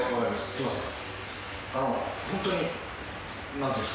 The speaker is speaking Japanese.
すいません。